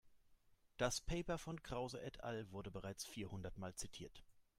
Das Paper von Krause et al. wurde bereits vierhundertmal zitiert.